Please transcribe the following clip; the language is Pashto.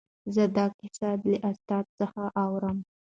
زه دا کیسه له استاد څخه اورم.